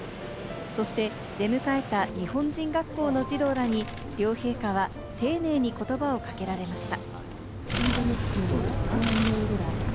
そして、出迎えた日本人学校の児童らに、両陛下は丁寧に言葉をかけられました。